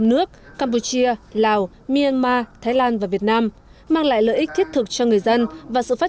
năm nước campuchia lào myanmar thái lan và việt nam mang lại lợi ích thiết thực cho người dân và sự phát